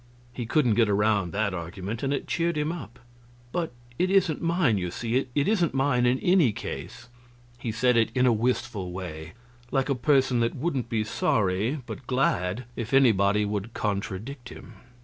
He couldn't get around that argument, and it cheered him up. "But it isn't mine, you see it isn't mine, in any case." He said it in a wistful way, like a person that wouldn't be sorry, but glad, if anybody would contradict him.